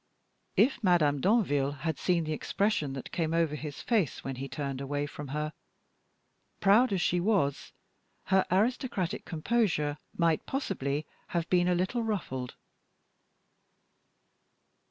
If Madame Danville had seen the expression that came over his face when he turned away from her, proud as she was, her aristocratic composure might possibly have been a little ruffled.